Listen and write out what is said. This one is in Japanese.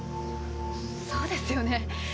そうですよね。